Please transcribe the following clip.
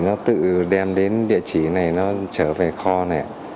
nó tự đem đến địa chỉ này nó trở về kho này